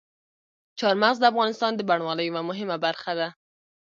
چار مغز د افغانستان د بڼوالۍ یوه مهمه برخه ده.